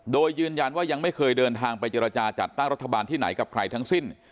โดยยืนยันว่ายังไม่เคยเดินทางไปเจรจาจัดตั้งรัฐบาลที่ไหนกับใครทั้งสิ้น